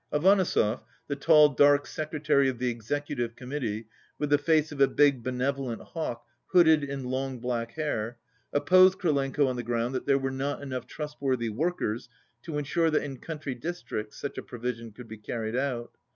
Avanesov, the tall, dark secretary of the Execu tive Committee, with the face of a big, benevolent hawk hooded in long black hair, opposed Krylenko on the ground that there were not enough trust worthy workers to ensure that in country districts such a provision could be carried out.